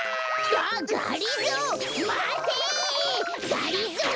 がりぞー